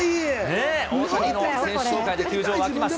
ねえ、大谷の選手紹介で球場は沸きます。